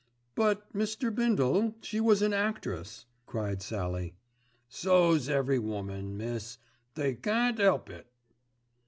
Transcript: "But, Mr. Bindle, she was an actress," cried Sallie. "So's every woman, miss. They can't 'elp it."